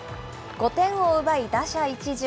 ５点を奪い、打者一巡。